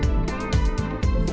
kami membuatnya secara digital